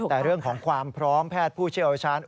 แต่เรื่องของความพร้อมแพทย์ผู้เชี่ยวชาญ